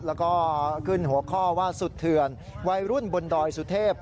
แล้วก็ขึ้นหัวข้อว่าสุดเถื่อนวัยรุ่นบนดอยสุเทพ